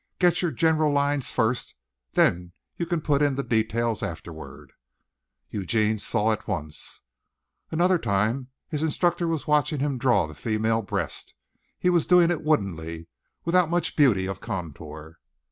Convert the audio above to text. "Get your general lines first. Then you can put in the details afterward." Eugene saw at once. Another time his instructor was watching him draw the female breast. He was doing it woodenly without much beauty of contour.